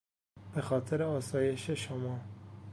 به خاطر آسایش شما...